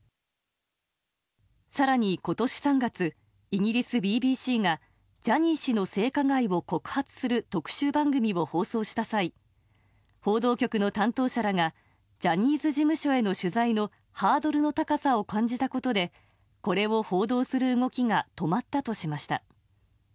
更に今年３月、イギリスＢＢＣがジャニー氏の性加害を告発する特集番組を放送した際報道局の担当者らがジャニーズ事務所への取材のハードルの高さを感じたことでこれを報道する動きが止まったとしました。